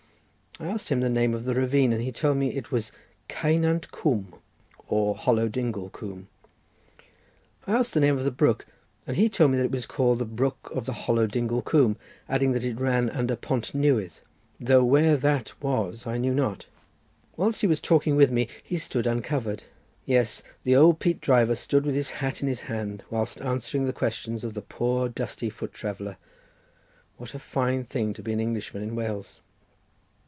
I asked him the name of the ravine, and he told me it was Ceunant Coomb, or hollow dingle coomb. I asked the name of the brook, and he told me that it was called the brook of the hollow dingle coomb, adding that it ran under Pont Newydd, though where that was I knew not. Whilst he was talking with me he stood uncovered. Yes, the old peat driver stood with his hat in his hand whilst answering the questions of the poor, dusty foot traveller. What a fine thing to be an Englishman in Wales!